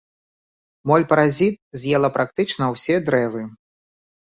Моль-паразіт з'ела практычна ўсе дрэвы.